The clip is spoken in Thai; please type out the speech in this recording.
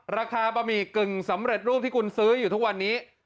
บะหมี่กึ่งสำเร็จรูปที่คุณซื้ออยู่ทุกวันนี้